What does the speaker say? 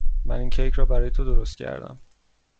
من این کیک را برای تو درست کردم.